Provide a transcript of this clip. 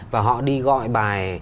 và họ đi gọi bài